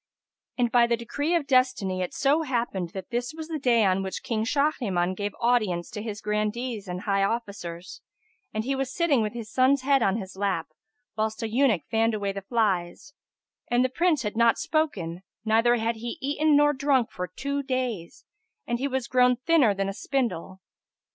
And by the decree of destiny it so happened that this was the day on which King Shahriman gave audience to his Grandees and high officers, and he was sitting, with his son's head on his lap, whilst an eunuch fanned away the flies; and the Prince had not spoken neither had he eaten nor drunk for two days, and he was grown thinner than a spindle.